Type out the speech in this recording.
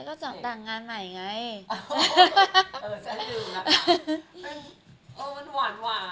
ขอแสดงพี่การหน่อยนะคะ